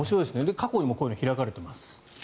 過去にもこういうのが開かれています。